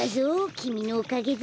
きみのおかげだ。